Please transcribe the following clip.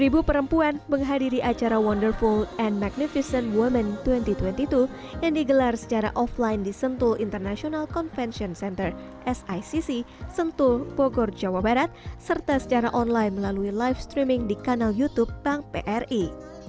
bumn menilai perempuan sebagai sosok penting dalam transformasi bumn serta mewujudkan eksklusifitas keuangan di indonesia